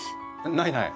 ないない